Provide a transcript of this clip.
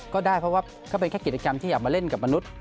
ก็ได้เพราะว่าก็เป็นแค่กิจกรรมที่อยากมาเล่นกับมนุษย์